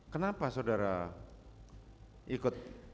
kenapa saudara ikut